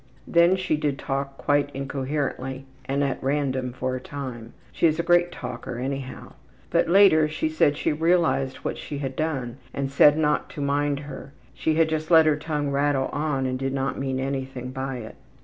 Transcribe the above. Then she did talk quite incoherently and at random for a time (she is a great talker anyhow), but later she said she realized what she had done, and said not to mind her she had just let her tongue rattle on and did not mean anything by it.